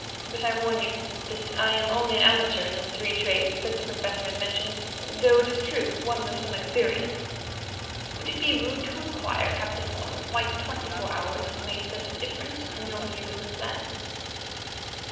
But I warn you that I am only an amateur in the three trades that the Professor has mentioned, though, it is true, one with some experience." "Would it be rude to inquire, Captain Orme, why twenty four hours have made such a difference in your views and plans?"